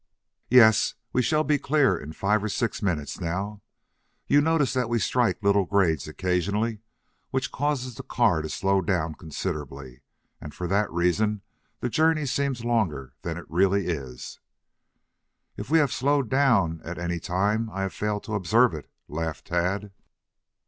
"Yes. We shall be clear of it in five or six minutes now. You notice that we strike little grades occasionally, which cause the car to slow down considerably and for that reason the journey seems longer than it really is." "If we have slowed down at any time I have failed to observe it," laughed Tad.